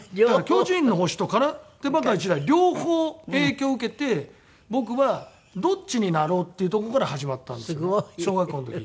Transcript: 『巨人の星』と『空手バカ一代』両方影響受けて僕はどっちになろう？っていうとこから始まったんですよね小学校の時。